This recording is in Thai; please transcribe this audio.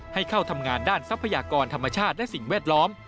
ให้เข้าทำงานด้านทรัพยากรธรรมชาติและสิ่งแวดล้อม